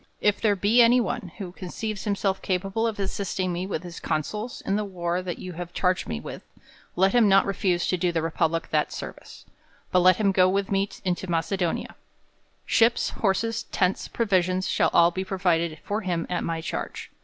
If there be any one, who conceives himself capable of assisting me with his counsels in the war you have charged me with, let him not refuse to do the republic that service ; but let him go with me into Macedo nia. Ships, horses, tents, provisions., shall all be pro vided for him at my charge.